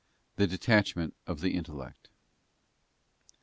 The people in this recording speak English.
The detachment of the intellect.